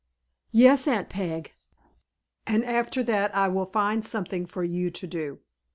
"Yes, Aunt Peg." "And after that I will find something for you to do."